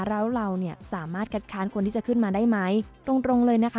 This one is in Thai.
แล้วเราเนี่ยสามารถคัดค้านคนที่จะขึ้นมาได้ไหมตรงตรงเลยนะคะ